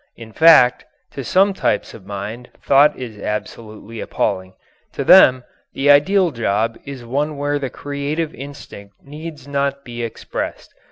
In fact, to some types of mind thought is absolutely appalling. To them the ideal job is one where the creative instinct need not be expressed.